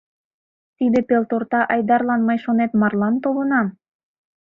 Тиде пелторта Айдарлан мый, шонет, марлан толынам?